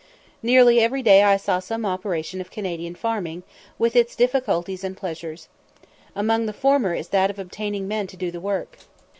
Nearly every day I saw some operation of Canadian farming, with its difficulties and pleasures. Among the former is that of obtaining men to do the work.